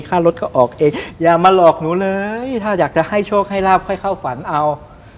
ค่ารถก็ออกเองอย่ามาหลอกหนูเลยถ้าอยากจะให้โชคให้ลาบค่อยเข้าฝันเอา